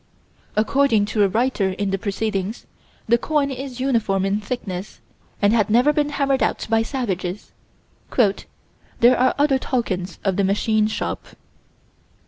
According to a writer in the Proceedings, the coin is uniform in thickness, and had never been hammered out by savages "there are other tokens of the machine shop."